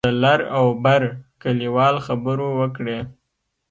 د لر او بر کلیوال خبرو وکړې.